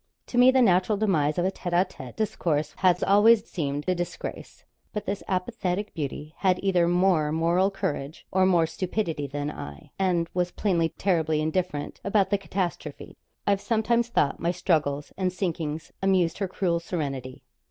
To me the natural demise of a tête à tête discourse has always seemed a disgrace. But this apathetic beauty had either more moral courage or more stupidity than I, and was plainly terribly indifferent about the catastrophe. I've sometimes thought my struggles and sinkings amused her cruel serenity.